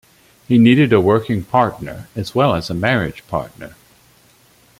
He needed a working partner as well as a marriage partner.